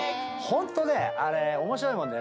ホントねあれ面白いもんでね